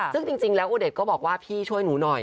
ซึ่งจริงแล้วอูเดชก็บอกว่าพี่ช่วยหนูหน่อย